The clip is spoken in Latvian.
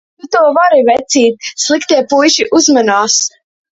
Tu to vari vecīt, Sliktie puiši uzmanās!